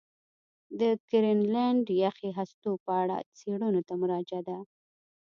د ګرینلنډ یخي هستو په اړه څېړنو ته مراجعه ده.